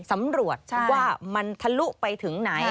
สำรวจว่ามันทะลุไปถึงไหน